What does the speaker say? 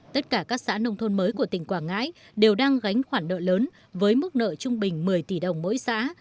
tất cả các xã nông thôn mới của tỉnh quảng ngãi đều đang gánh khoản nợ lớn với mức nợ trung bình một mươi tỷ đồng mỗi xã